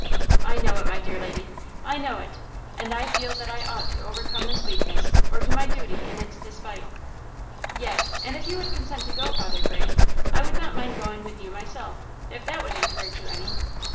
"I know it, my dear lady, I know it, and I feel that I ought to overcome this weakness or do my duty in its despite." "Yes, and if you would consent to go, Father Gray, I would not mind going with you myself, if that would encourage you any!"